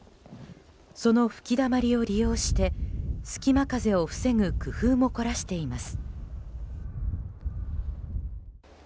その吹きだまりを利用して隙間風を防ぐ工夫も凝らしています。